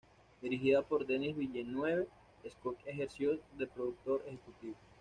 Dirigida por Denis Villeneuve, Scott ejerció de productor ejecutivo.